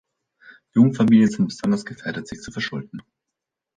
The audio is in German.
Jungfamilien sind besonders gefährdet, sich zu verschulden.